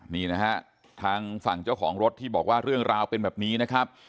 นี่นะฮะทางฝั่งเจ้าของรถที่บอกว่าเรื่องราวเป็นแบบนี้นะครับ